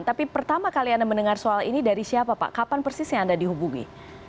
tapi pertama kali anda mendengar soal ini dari siapa pak kapan persisnya anda dihubungi